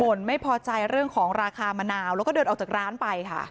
ไม่พอใจเรื่องของราคามะนาวแล้วก็เดินออกจากร้านไปค่ะ